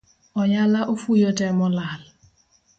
Oyala ofuyo te molal